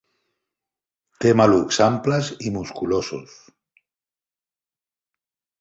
Té malucs amples i musculosos.